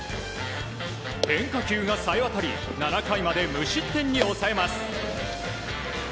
変化球がさえわたり７回まで無失点に抑えます。